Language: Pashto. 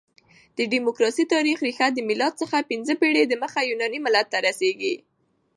د ډیموکراسۍ تاریخي ریښه د مېلاد څخه پنځه پېړۍ دمخه يوناني ملت ته رسیږي.